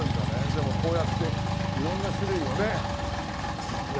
でもこうやって色んな種類をねやるっていうのは。